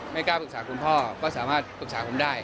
กล้าปรึกษาคุณพ่อก็สามารถปรึกษาผมได้